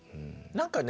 何かね